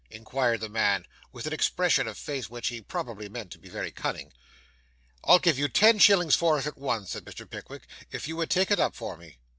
inquired the man, with an expression of face which he probably meant to be very cunning. 'I'll give you ten shillings for it, at once,' said Mr. Pickwick, 'if you would take it up for me.